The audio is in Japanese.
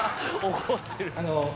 怒ってる。